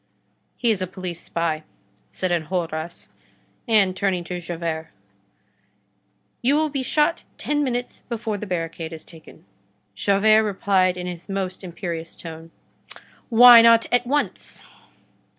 "He is a police spy," said Enjolras. And turning to Javert: "You will be shot ten minutes before the barricade is taken." Javert replied in his most imperious tone:— "Why not at once?"